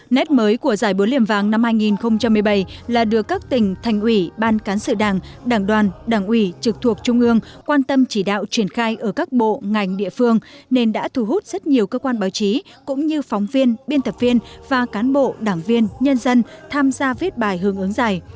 nét mới của giải búa liềm vàng năm hai nghìn một mươi bảy là được các tỉnh thành ủy ban cán sự đảng đảng đoàn đảng ủy trực thuộc trung ương quan tâm chỉ đạo triển khai ở các bộ ngành địa phương nên đã thu hút rất nhiều cơ quan báo chí cũng như phóng viên biên tập viên và cán bộ đảng viên nhân dân tham gia viết bài hưởng ứng giải